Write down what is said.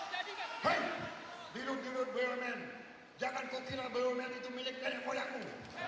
hei dilut lut bayu bayu jangan kau silah bayu bayu itu milik nenek moyangmu